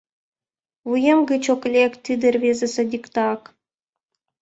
Вуем гыч ок лек тиде рвезе садиктак